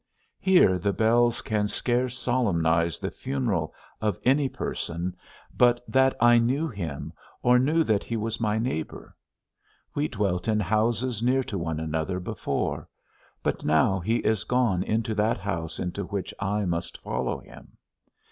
Here the bells can scarce solemnize the funeral of any person, but that I knew him, or knew that he was my neighbour: we dwelt in houses near to one another before, but now he is gone into that house into which I must follow him.